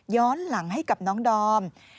หลังให้กับน้องดอม